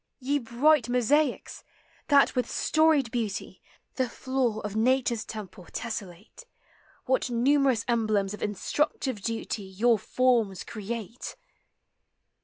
Ye bright mosaics ! that with storied beauty The floor of Nature's temple tessellate, What numerous emblems of instructive duty Your forms create